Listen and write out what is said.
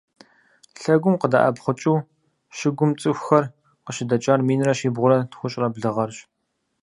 Лъэгум къыдэӏэпхъукӏыу щыгум цӏыхухэр къыщыдэкӏар минрэ щибгъурэ тхущӏрэ блы гъэрщ.